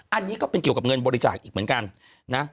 อันนี้ก็เป็นเกี่ยวกับเงินบริจาคอีกเหมือนกันนะ